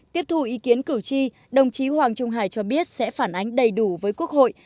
tiếp thu ý kiến cử tri đồng chí hoàng trung hải cho biết sẽ phản ánh đầy đủ với quốc hội